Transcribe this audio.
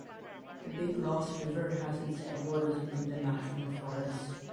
The Big Lost River has its headwaters within the national forest.